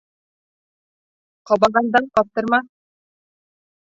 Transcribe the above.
Ҡабағандан ҡаптырма